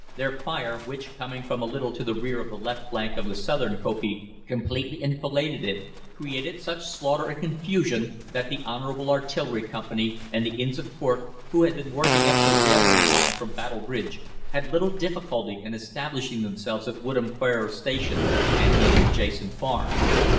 Their fire, which, coming from a little to the rear of the left flank of the southern kopje, completely enfiladed it, created such slaughter and confusion that the Honourable Artillery Company and the Inns of Court, who had been working up the railway line from Battle Bridge, had little difficulty in establishing themselves at Woodham Ferrers Station and in an adjacent farm.